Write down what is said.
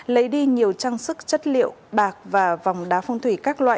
lấy đi nhiều trang sức chất liệu bạc và vòng đá phong thủy các loại